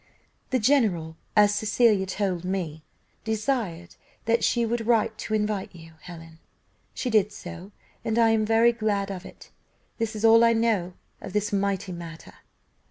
"The general, as Cecilia told me, desired that she would write to invite you, Helen; she did so, and I am very glad of it. This is all I know of this mighty matter."